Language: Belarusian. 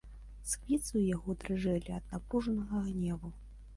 Сківіцы ў яго дрыжэлі ад напружанага гневу.